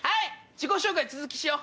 自己紹介の続きしよう